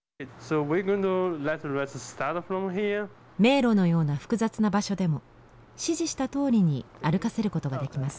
迷路のような複雑な場所でも指示したとおりに歩かせることができます。